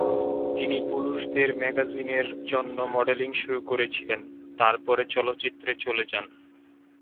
তিনি পুরুষদের ম্যাগাজিনের জন্য মডেলিং শুরু করেছিলেন, তারপরে চলচ্চিত্রে চলে যান।